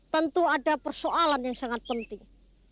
tentu ada persoalan yang sangat penting